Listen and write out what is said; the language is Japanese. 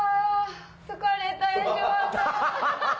疲れた八嶋さん。